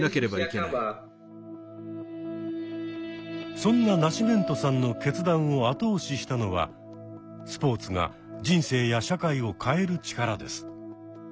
そんなナシメントさんの決断を後押ししたのはスポーツが人生や社会を変える力です。